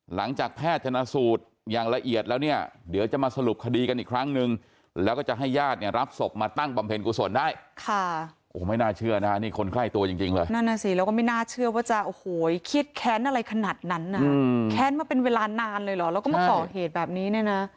หลังจากแพทย์จนสูตรอย่างละเอียดแล้วนี่